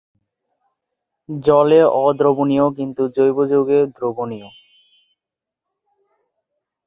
জলে অদ্রবনীয় কিন্তু জৈব যৌগে দ্রবণীয়।